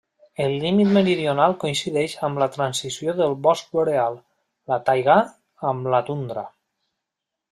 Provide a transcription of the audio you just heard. El límit meridional coincideix amb la transició del bosc boreal, la taigà amb la tundra.